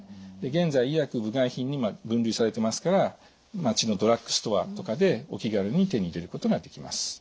現在医薬部外品に分類されてますから町のドラッグストアとかでお気軽に手に入れることができます。